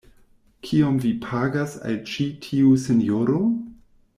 Kiom vi pagas al ĉi tiu sinjoro?